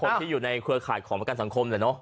เพราะคนที่อยู่ในเครือข่ายของประกันสังคมเนี่ยเนาะ